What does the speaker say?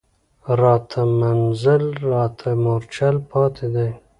راته منزل راته مورچل پاتي دی